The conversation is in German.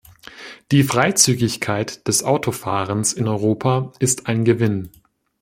Die Freizügigkeit des Autofahrens in Europa ist ein Gewinn.